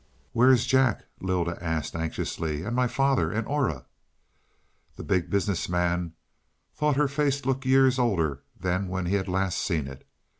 "Where is Jack?" Lylda asked anxiously. "And my father and Aura?" The Big Business Man thought her face looked years older than when he had last seen it.